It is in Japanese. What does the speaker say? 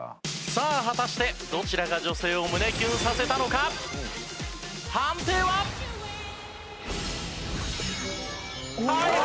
さあ果たしてどちらが女性を胸キュンさせたのか判定は。ＨｉＨｉＪｅｔｓだ！